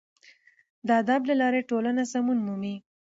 د ادب له لارې ټولنه سمون مومي.